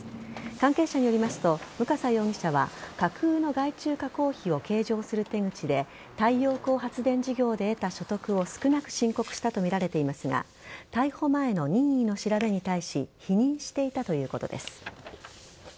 関係者によりますと武笠容疑者は架空の外注加工費を計上する手口で太陽光発電事業で得た所得を少なく申告したとみられていますが逮捕前の任意の調べに対し否認していたということです。